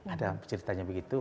ada ceritanya begitu